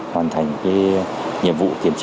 hoàn thành nhiệm vụ kiểm trí